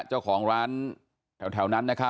เจ้าของร้านแถวนั้นนะครับ